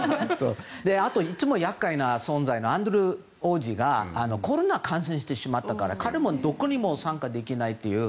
あと、いつも厄介な存在のアンドリュー王子がコロナ感染してしまったから彼もどこにも参加できないという。